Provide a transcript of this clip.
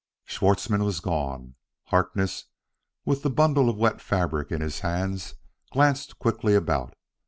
Schwartzmann was gone. Harkness, with the bundle of wet fabric in his hands, glanced quickly about.